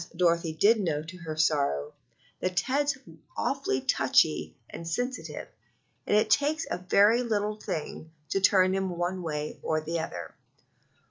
Dorothy did know to her sorrow), that Ted's awfully touchy and sensitive, and it takes a very little thing to turn him one way or the other.